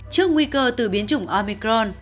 trước nguy cơ từ biến chủng omicron